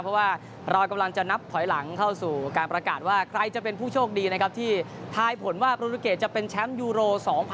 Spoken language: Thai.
เพราะว่าเรากำลังจะนับถอยหลังเข้าสู่การประกาศว่าใครจะเป็นผู้โชคดีนะครับที่ทายผลว่าโปรตูเกตจะเป็นแชมป์ยูโร๒๐๑๖